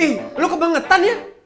eh lo kebangetan ya